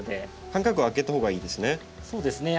間隔は空けたほうがいいですね？